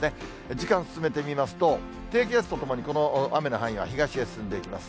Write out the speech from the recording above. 時間進めてみますと、低気圧とともにこの雨の範囲が東へ進んでいきます。